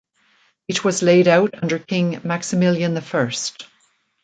It was laid out under King Maximilian the First.